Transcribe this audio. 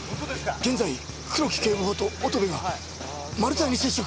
現在黒木警部補と乙部がマル対に接触。